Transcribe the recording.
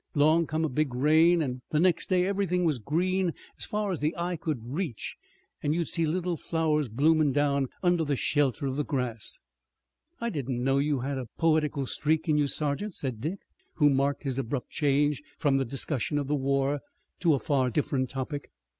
'Long come a big rain an' the next day everything was green as far as the eye could reach an' you'd see little flowers bloomin' down under the shelter of the grass." "I didn't know you had a poetical streak in you, sergeant," said Dick, who marked his abrupt change from the discussion of the war to a far different topic.